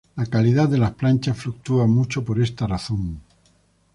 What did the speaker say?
La calidad de las planchas fluctúa mucho por esta razón.